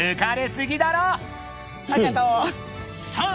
［さあ